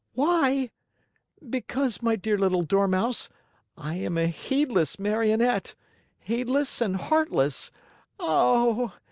"Why? Because, my dear little Dormouse, I am a heedless Marionette heedless and heartless. Oh!